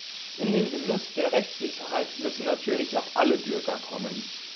In den Genuss der Rechtssicherheit müssen natürlich auch alle Bürger kommen.